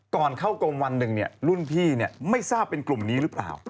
ก่อนเข้ากรมวันหนึ่งรุ่นพี่ไม่ทราบเป็นกลุ่มนี้หรือเปล่า